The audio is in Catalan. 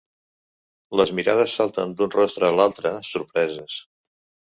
Les mirades salten d'un rostre a l'altre, sorpreses.